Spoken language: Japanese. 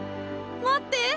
待って！